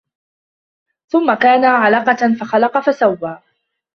ثُمَّ كَانَ عَلَقَةً فَخَلَقَ فَسَوَّى